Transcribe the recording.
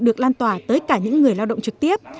được lan tỏa tới cả những người lao động trực tiếp